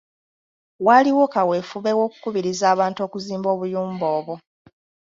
Waaliwo kaweefube w‘okukubiriza abantu okuzimba obuyumba obwo